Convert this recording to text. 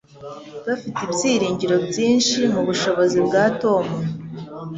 Bafite ibyiringiro byinshi mubushobozi bwa Tom.